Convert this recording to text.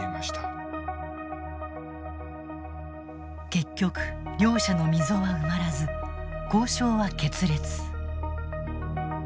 結局両者の溝は埋まらず交渉は決裂。